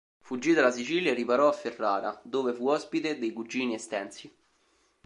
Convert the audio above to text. Fuggì dalla Sicilia e riparò a Ferrara, dove fu ospite dei cugini Estensi.